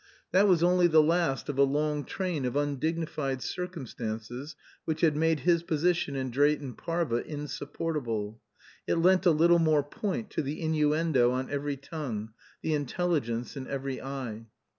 That was only the last of a long train of undignified circumstances which had made his position in Drayton Parva insupportable; it lent a little more point to the innuendo on every tongue, the intelligence in every eye.